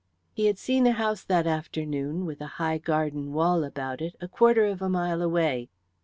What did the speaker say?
He had seen a house that afternoon with a high garden wall about it a quarter of a mile away.